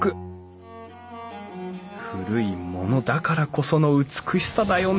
古いものだからこその美しさだよね